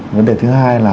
vấn đề thứ hai là